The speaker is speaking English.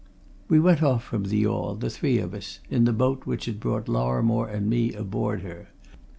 We went off from the yawl, the three of us, in the boat which had brought Lorrimore and me aboard her.